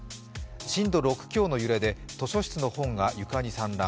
震度６強の揺れで図書室の本が床に散乱。